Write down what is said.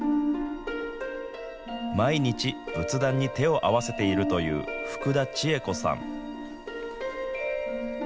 毎日、仏壇に手を合わせているという、福田知惠子さん。